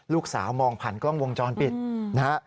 ลูกสาวมองผ่านกล้องวงจรปิดนะฮะ